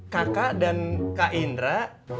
kakak dan kak indra